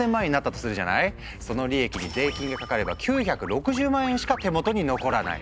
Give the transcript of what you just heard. その利益に税金がかかれば９６０万円しか手元に残らない。